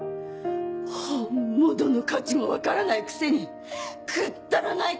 本物の価値も分からないくせにくっだらない